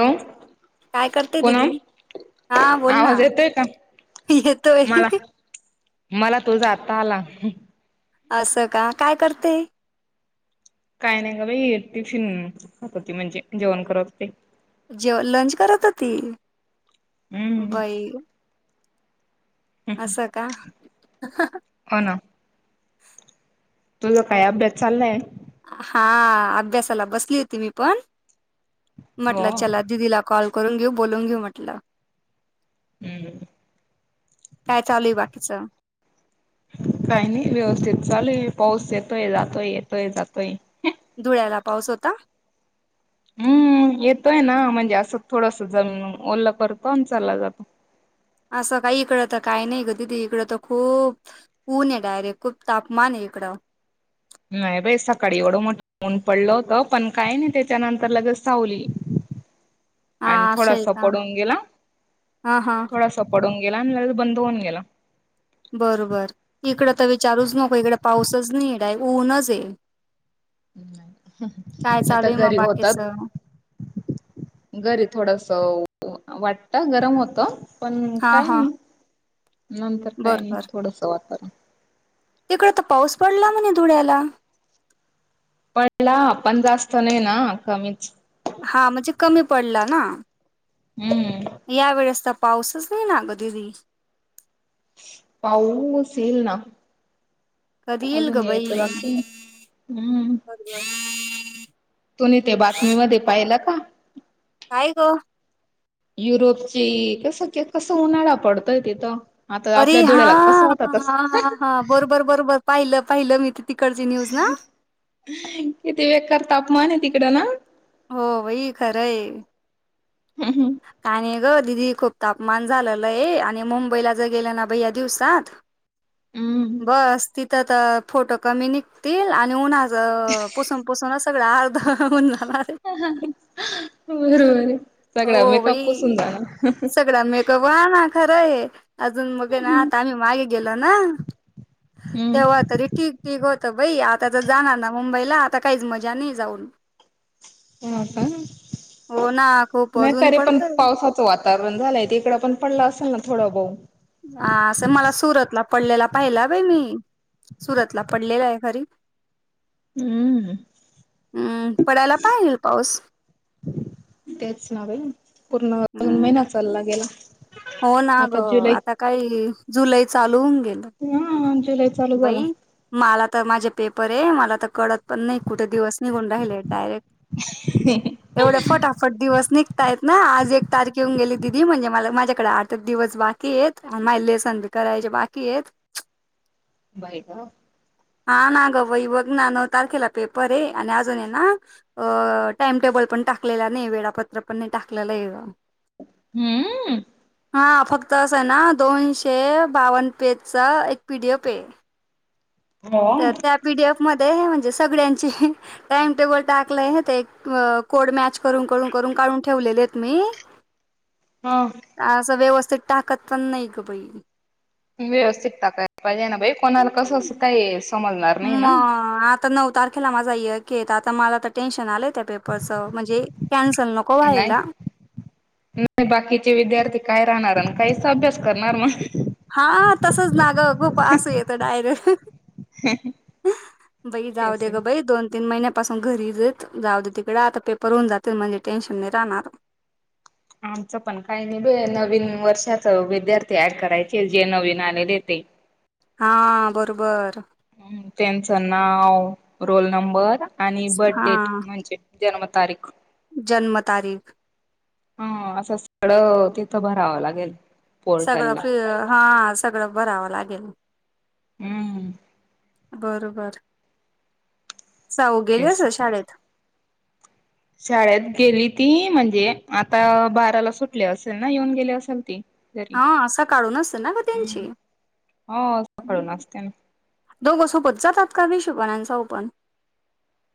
हो काय करतेय दीदी हा बोल ना आवाज येतोय का येतोय मला मला तो जातता आला असं का काय करते काय नाही का बाी फिात होती म्हणजे जेवण करतते जेव्हा लंच करत होती बाई हम्म. असं का हो ना तुझं काही अपडेट चाललंय हा अभ्यासाला बसली होती मी पण हो. म्हटलं चला दिदीला कॉल करून घेऊ बोलून घेऊ म्हटलं हम्म काय चालूय वाट काही नाही व्यवस्थित चाले पाऊस येतोय जातोय येतोय जातोय धुळ्याला पाऊस होता हम्म येतोय ना म्हणजे असं थोडस जमीन ओलला करतो आणि चालला जातो असं काही इकडं तर काय नाही ग दीदी इकडं तर खूप ऊन आहे डायरेक्ट खूप तापमान आहे इकडं काही येकु येत नाही सर नाही बाई सकाळी एवढं मोठ ऊन पडलं होतं पण काय नाही त्याच्यानंतर लगेच वली काही आवाज येत नाही आणि थोडासा पडून गेला हा हा थोडासा पडून गेला तर बंद होऊन गेला बरोबर इकडं तर विचारूच नको इकडे पाऊसच नीड आहे ऊनच ये ये तर आहे मग घरी होतात बाकीचं? घरी थोडस वाटत गरम होत पण हा काय हा नाही नंतर काय नाही थोडस वातारण तिकड तर पाऊस पडला म्हणे धुळ्याला पणला पण जास्त नाही ना कमीच हा म्हणजे कमी पडला ना हम्म या वेळेस पाऊसच नाही ना ग दिदी पाऊ येईल ना कधी येईल अजून ग बाई यायचं बाकी हम्म तुम्ही ते बातमीमध्ये पाहिलं का? काय ग? युरोपची कसक्या कसं उन्हाळा पडतय तिथं. आता अरे आपल्या धुळ्याला कसं हां! होता तस हा-हा-हा, बरोबर-बरोबर, पाहिलं-पाहिलं मी ति. किती बेकार तापमान आहे तिकडं ना? हो वई खरं हे. हम्म का नाही ग दिदी खूप तापमान झालेलंय आणि मुंबईला ज गेलं ना बई या दिवसात हम्म बस तिथं त फोटो कमी निघतील आणि उन्हा पुसून -पुसूनच सगळं अर्ध होऊन जाणार आहे हं-ह बरोबर आहे सगळा हो मेकअप बाई पुसून जाणार. सगळा मेकअप हा ना खरं हे अजून मगे ना आता ना आम्ही मागे गेलो ना! हम्म. तेव्हा तरी ठीक-ठीक हो त बई आता तर जाणार ना मुंबईला आता काहीच मजा नाही जाऊन. हो का? हो ना खूप नाही अजून तरी पण पडतय पावसाचं वातावरण झालंय तिकडं पण पडला असंल ना? थोडं ब हा असं मला सुरतला पडलेला पाहिला बाई मी. सुरतला पडलेला आहे खरी. हम्म. हम्म पडायला पाहीजे येईल पाऊस. तेच न बई पूर्ण [unintelligible] हम्म महिना चालला गेला. हो ना आता ग जुलै आता काही जुलै चालू होऊन गेलं. हा जुलै चालू झाला बई मला तर माझे पेपरे मला आता कळत पण नाही कुठे दिवस निघुन राहिले डायरेक्ट एवढे फटाफट दिवस निघ ता येत ना आज एक तारीख येऊन गेली दिदी म्हणजे मला माझ्याकडे आठच दिवस बाकीयेत अन मायले संग करायचे बाकीयेत. बाई ग. हा ना ग बई बघ ना नऊ तारखेला पेपर हे आणि अजून हे ना अं टाइम टेबल पण टाकलेला नाही वेळापत्रक पण नाही टाकलेले बा हं अं हा फक्त असं हे ना दोनशे बावन पेजचा एक पी डी एफ हे. हो तर त्या पीडीएफ मध ते म्हणजे सगळ्यांचे टाइमटेबल टाकले होते मग कोड मॅच करून-करून-करून काळून ठेवलेले आहेत मी. हा. आसं व्यवस्थित टाकत पण नाही ग बई. व्यवस्थित टाकाय पाहिजे ना बई कोणाला कसं असं कायेस मग आता नऊ तारखेला माझा यकेत आता मला तर टेन्शन आलंय. त्या पेपरच म्हणजे कॅंसल नको नाही व्हायला. नाही बाकीचे विद्यार्थी काय राहणार आणि काहीच अभ्यास करणार मग. हा तसंच ना ग खूप असं येतं डायरे हं-हं बई तेच जाऊदे ना. ग बई दोन तीन महिन्यापासून घरीेचेत जाऊ दे तिकडं आता पेपर होऊन जातील म्हणजे टेन्शन नाही राहणार. आमचं पण काही नाही बई या नवीन वर्षाच विद्यार्थी ॲड करायचे जे नवीन आलेले ते. [unintelligible] हा बरोबर. हं त्यांचं नाव, रोल नंबर. आणि हा बर्डेट म्हणजे जन्मतारीख. जन्म तारीख. हा असं सळं तिथं भरावं लागेल सगळं पोर्टलला. फि हा सगळं भरावं लागेल हम्म बर बर जाऊ गेले अस तेच. शाळेत शाळेत गेली ती म्हणजे आता बाराला सुटले असेल ना येऊन गेली असेल ती घरी हा असं काढूनच ना ग त्यांची हो सकाळून असते ना. दोघं सोबत जातात का मशोबानांचा ओपन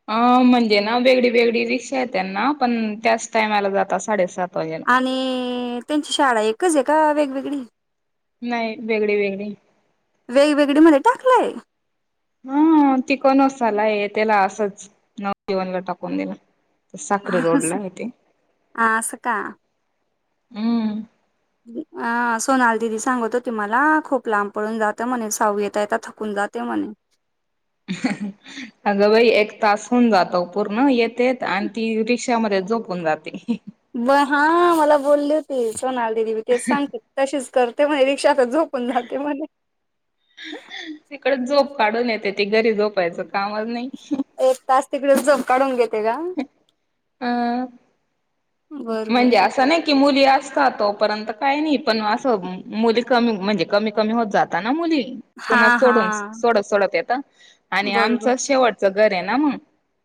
अ म्हणजे ना वेगळी वेगळी रिक्षा आहे त्यांना पण त्याच टायमाला जातात साडेसात वाजेला. आणि त्यांची शाळा एकच आहे का वेगवेगळी नाही वेगळी वेगळी वेगवेगळी मध्ये टाकलाय हा तिकनोला त्याला असंच नवजीवनला टाकून दिलं ह आ अस का हम्म. अह सोनाल दिदी सांगत हो त मला खूप लांब पळून जातं म्हणे साऊ येता यता थकून जाते म्हणे रीकामा आहे अगं बाई एक तास होन जातो पूर्ण येतेत आणि ती रिक्षामध्ये [unintelligible] [unintelligible] [unintelligible] झोपून जाते ब हा मला बोलली होती सोनाल दिदी म ते सांगते तशीच करते म्ह पक्षता झोपून जाते म्हणे तिकडे झोप काढून येते ती घरी झोपायचं काम नाही एक तास तिकडे झोप काढून घेतो अ म्हणजे बरोबर असं नाही कि मुली त तोपर्यंत काही नाही पण असं मुली कमी म्हणजे कमी कमी होत जाता ना मुली हा सोडून हा. सोडत सोडत येत आणि बरोबर आमचं शेवटचं घर आहे ना मग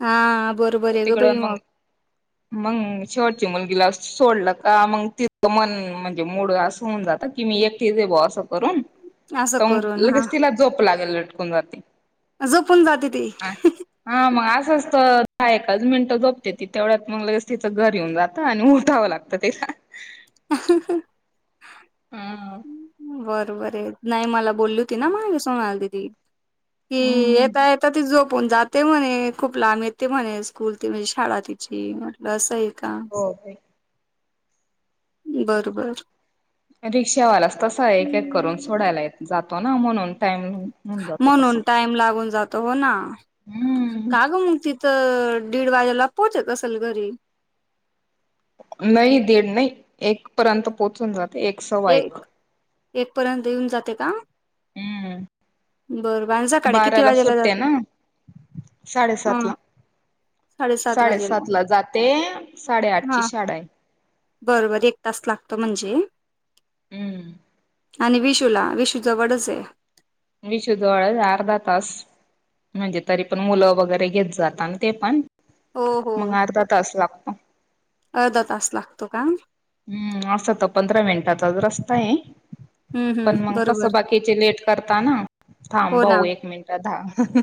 हा बरोबर आहे ग बाई तिकडून मग मंग छवट गला सोडला का मग ति मन म्हणजे मूड अस होन जात की मी एकटे दे ब असं करून असं तरग करून हा लगेच तिला जोप लागेल लटकून जाते झोपून जाते ती तहा एकाच मिनटं जोपते ती तेवढ्यात मग लगेच तिचं घ येऊन जात आणि उठावं लागतं तेला रीकामा आणि आहे हा [unintelligible] बरबर आहे नाही मला बोलली होती ना मलासूनलदी कि हम्म येता यता त जो आपण जाते म्हणे खूप लांब येते म्हणे स्कूल त म्हणजे शाळा तिची म्हट असं एक हो ते बरोबर रिक्षावालाच तस एक एक करून हम्म. सोडायला जातो ना म्हणून टाइम होऊन जातो म्हणून तसं टाइम लागून जातो हो ना हम्म काग मुक्ती तर दीड वाजेला पोहोच कसल घरी नाही दीड नाही एक पर्यंत पोहोचून जात एक एक पर्यंत येऊन जाते का हम्म बरं भज काडे किती वाजेला जातय साडे सातला साडेसात ला जाते साडेआठची हा शाळाा आहे बरोबर एक तास लागतो म्हणजे हम्म. आणि विशूला विशू जवळच आहे विशुद्धवाळ अर्धा तास म्हणजे तरी पण मुलं वगैरे घेत जातात ते पण हो हो मंगारदा दस ला अर्धा तास लागतो का हम्म अस तर पंधरा मिनिटाचा रस्ता आहे हं, हं. पण मग कस बरोबर. बाकीचे लेट करताना थांब हो ना. भाऊ एक मिनिटात ाग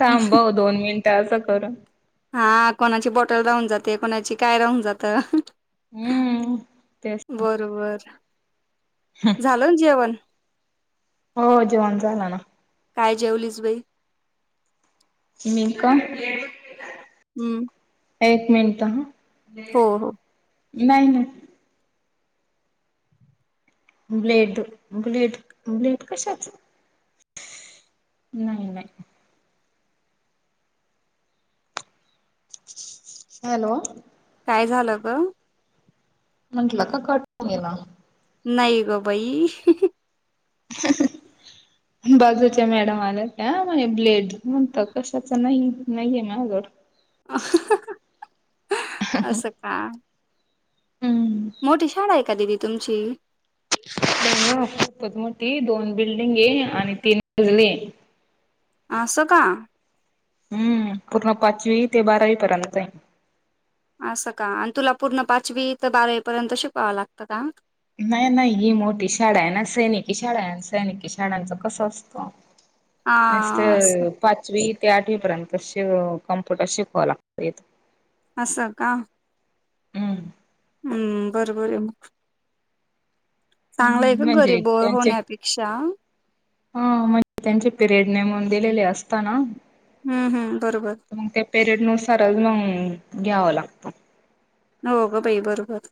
थांबव दोन मिनिटं असं करून हा कोणाची बॉटल राहून जाते कोणाची काय राहून जातं हम्म तेच बरोबर झाल जेवण हो जेवण झाला ना काय जेवलीस बाई नक हम्म एक मिनिट हा हा नाही नाही ब्लेड ब्लेड ब्लेड कशाच नाही नाही हॅलो काय झालं ग म्हंटलं का कट ये ना नाही ग बाई बाजूच्या मॅडम आल्या का ब्लेड म्हणत कशाच नाही नाहीये माजड असं काय मोठी शाळा आहे का दिवी तुमची खूपत मोठी दोन बिल्डिंग आहे आणि तीन गजली असं का हम्म पूर्ण पाचवी ते बारावी पर्यंत आहे असं का आणि तुला पूर्ण पाचवी ते बारावी पर्यंत शिकवावं लागतं का नाही नाही ही मोठी शाळा आहे ना सैनिकी शाळा आहे सैनिकी शाळांच कसं असतो मस्त हां, असं पाचवी त्या आठवीपर्यंत श कम्प्युटर शिकवावं लागत येत असं का हम्म हम्म बरोबर आहे मग चांगलाय का हम्म घरी म्हणजे बोर होण्यापेक्षा हा म्हणजे त्यांचे पिरियड नेमून दिलेले असता ना हम्म हम्म बरोबर सरज मून घ्यावं लागत हो ग बाई बरोबर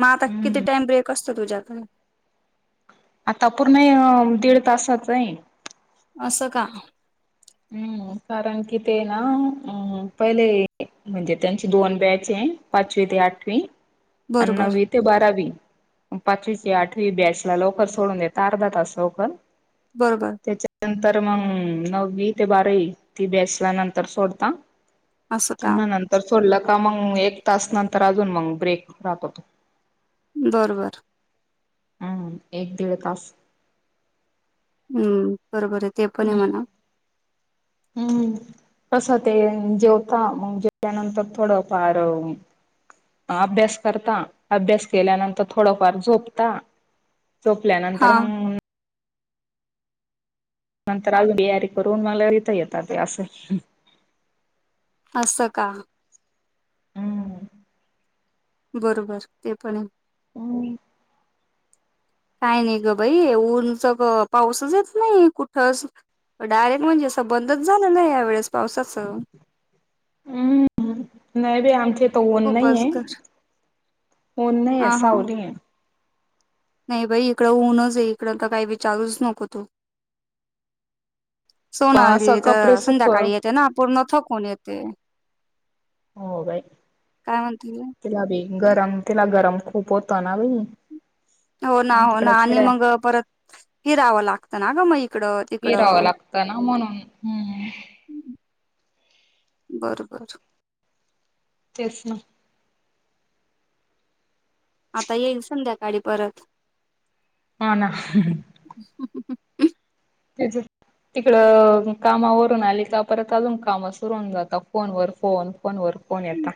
मग आता किती हम्म टाइम ब्रेक असतो तुझ्यात आता पूर्ण दीड तासचय असं का हम्म कारण कि ते नाम पहिले म्हणजे त्यांची दोन बॅच आहे पाचवी ते आठवी बरोबर अण्णवी ते बारावी पाचवीची आठवी बॅसला लवकर सोडून देत अर्धा तास लवकर बरोबर त्याच्यानंतर मग नववी ते बार ती बेसल्या नंतर सोडता असं का त्यांना नंतर सोडलं आता मग एक तास नंतर अजून मग ब्रेक राहतोतो बरोबर हम् एक दीड काास हम्म बरोबर आहे ते पण म्हणा हम् कसं ते जेवता मग जेवल्यानंतर थोडं पार अभ्यास करता अभ्यास केल्यानंतर थोडफार झोपता झोपल्या हा नंतर मग नंतर अजून बियारी करून मला इिथ येतात ते असं असं का हम्म बरोबर ते पण हम् काय नाही ग भाई ऊनच ग पाऊसच येत नाही कुठ डायरेक्ट म्हणजे असं बंदच झालं नाही या वेळेस पावसाचं हम्म नाही बी आमचे तो ओन नाही खूपच आहे ग ओन नाही हा हा सा ली आहे नाही बाई इकडं ऊनच आहे इकडं तर काही विचारूच नको तो सोनाल असं दि कपडे तर सुक संध्याकाळी येते ना पूर्णथकण येते हो बाय काय म्हणतेी गरम तिला गरम खूप होत ना बई हो ना हो ना आणि मग परत हिरावं लागतं ना ग म फिरावं लागतं ना म्हणून हम्म बरं बर तेच ना आता येईल संध्याकाळी परत हो ना तेज तिकड कामावरून आली तर परत अजून काम सुरून जातात फोनवर फोन फोनवर कोण येतता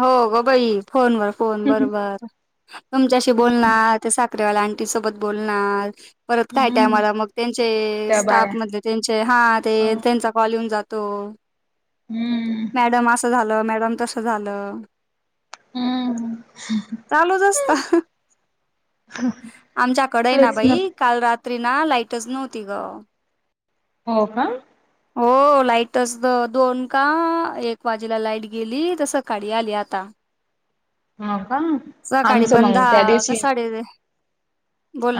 हो ग बाई फोनवर फोन बरोबर तुमच्याशी बोलणार ते त्याला आणंटी सोबत बोलणार परत काय हम्म टायमला मग त्यांचे त्या बाया स्टाफ मधले त्यांचे हा ते त्यांचा कॉल येऊन जातो त हम्म मॅडम असं झालं मॅडम तस झालं हम्म चालूच असत आमच्याकडे आहे ना भाई काल रात्री ना लाईटच नव्हती ग हो का हो लाईटच दोन का एक वाजेला लाईट गेली तस सकाळी आली आता हो का सकाळी आमचं पण मग त्या दहा दिवशी कसाडे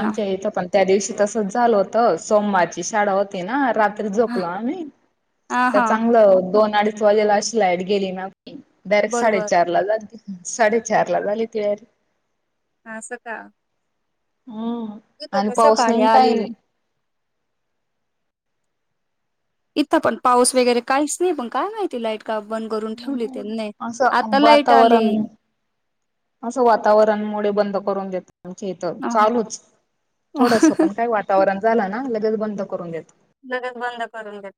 आमच्या इथं पण त्या दिवशी तसंच झालं होत सोमवारची शाळा होती नाात ह झोपल आ हा त्या हा चांगलं दोन अडीच वाजेला अशी लाईट गेली ना डायरेक्ट बरोबर साडेचार ला झाली साडेचार ला झाली तडरे हा अस का हम्म आणिन पवसनन आली काही नाही इथं पण पाऊस वगैरे काहीच नाही पण काय माहितीय लाईट का बंद करून ठेवली त्यांनी आता लाईट आली असं वातावरण मु बंद करून देतात आमच्या इथ अह. चालूच थोडस पण काय वातावरण झालं ना लगेच बंद करून देत लगच बंद करून देत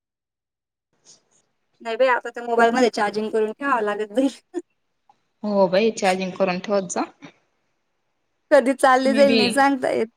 नाही बाई आता तर मोबाईल मध्ये चार्जिंग करून ठेवावं लागत बई हो भाई चार्जिंग करून ठेवत जा कधी चालली मी जाईल नाही बी सांगता येत